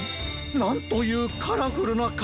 なんというカラフルなかがやき！